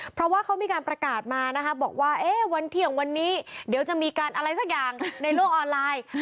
เพราะว่าเขามีการประกาศมานะคะบอกว่าวันเที่ยงวันนี้เดี๋ยวจะมีการอะไรสักอย่างในโลกออนไลน์